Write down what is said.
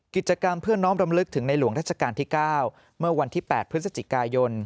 กิจกรรมเพื่อน้อมรำลึกถึงในหลวงราชการที่๙เมื่อวันที่๘พฤศจิกายน